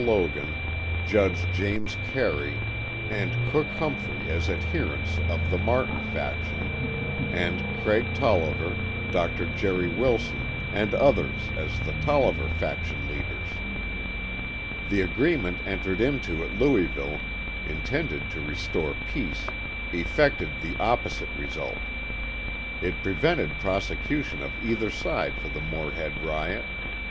Logan, Judge James Carey and Cook Humphrey as adherents of the Martin faction and Craig Tolliver, Dr. Jerry Wilson and others as the Tolliver faction leaders. The agreement entered into at Louisville, intended to restore peace, effected the opposite result. It prevented prosecution of either side for the Morehead riot.